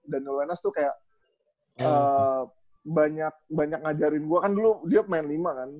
danal wenas tuh kayak banyak ngajarin gue kan dulu dia main lima kan